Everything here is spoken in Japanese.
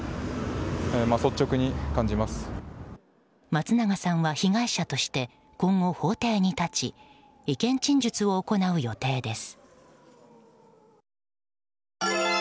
松永さんは被害者として今後、法定に立ち意見陳述を行う予定です。